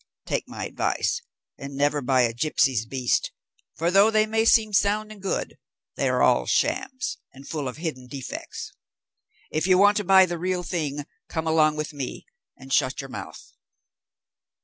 Take my advice, and never buy a gipsy's beast, for though they may seem sound and good, they are all shams, and full of hidden defects. If you want to buy the real thing, come along with me, and shut your mouth."